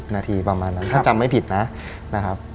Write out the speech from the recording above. นาทีประมาณนั้นถ้าจำไม่ผิดนะครับ